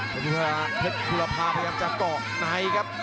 เพชรพุระภาพยันตร์จะเกาะในครับ